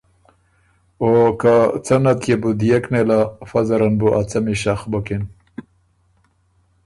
او که څه نه تيې بو ديېک نېله فۀ زرن بُو ا څمی شخ بُکِن